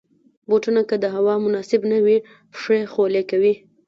بوټونه که د هوا مناسب نه وي، پښې خولې کوي.